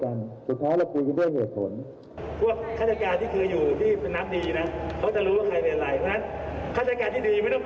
ไม่ต้องกลัวแหละแค่การที่ไม่ดีหลีบตัวไม่ได้